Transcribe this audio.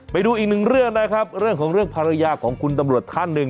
ไปดูอีกหนึ่งเรื่องนะครับเรื่องของเรื่องภรรยาของคุณตำรวจท่านหนึ่ง